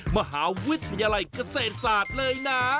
มหาวิทยาลัยเกษตรศาสตร์เลยนะ